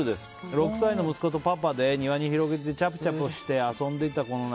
６歳の息子とパパで庭に広げてチャプチャプして遊んでたこの夏